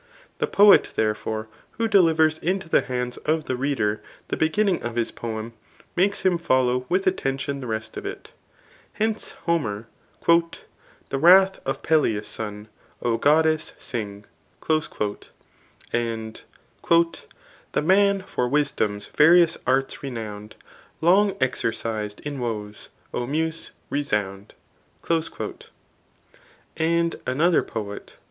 The poet, therefore, who delivers into the hands of the reader the beginning of his poem, makes him follow with attention the rest of it. Hence, Homer, And, The torath of Peleus' son, O goddess, sing. The manjor tMsdom^s wtrious arts renownM, Long exercis'd in woes, O Muse^ resound. And another poet.